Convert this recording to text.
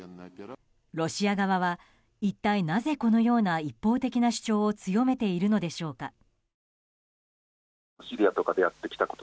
ロシア側は、一体なぜこのような一方的な主張を強めているのでしょうか。